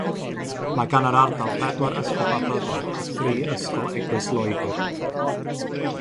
Mae gan yr ardal bedwar ysgol Babyddol a thri ysgol Eglwys Loegr.